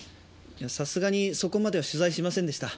さすがにそこまでは取材しませんでした。